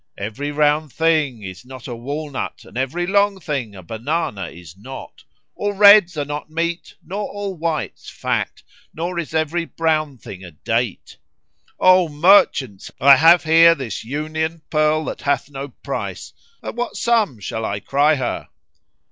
every round thing is not a walnut and every long thing a banana is not; all reds are not meat nor all whites fat, nor is every brown thing a date![FN#32] O merchants, I have here this union pearl that hath no price: at what sum shall I cry her?"